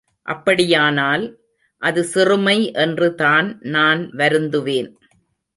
அப்படியானால், அது சிறுமை என்றுதான் நான் வருந்துவேன்.